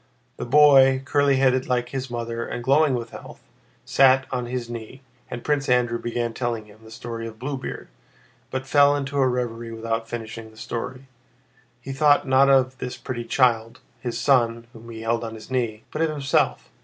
The boy, curly headed like his mother and glowing with health, sat on his knee, and Prince Andrew began telling him the story of Bluebeard, but fell into a reverie without finishing the story. He thought not of this pretty child, his son whom he held on his knee, but of himself.